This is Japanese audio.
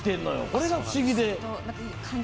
それが不思議で。